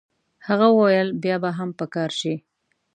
هغه وویل بیا به هم په کار شي.